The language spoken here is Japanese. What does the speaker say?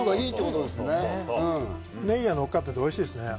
ネギが乗っかってておいしいですね。